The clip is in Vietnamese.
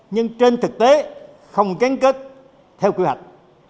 nhưng trên thực tế không cánh kết theo quy hoạch